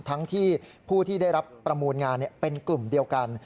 ทั้งที่ผู้ที่ได้รับประมูลงานเป็นกลุ่มเดียวกัน